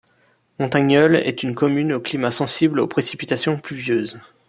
Montagnole est une commune au climat sensible aux précipitations pluvieuses.